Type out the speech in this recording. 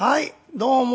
どうも。